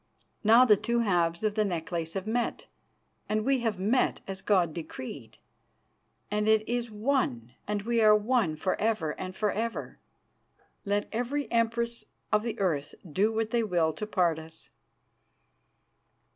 Now the two halves of the necklace have met, and we have met as God decreed, and it is one and we are one for ever and for ever, let every Empress of the earth do what they will to part us."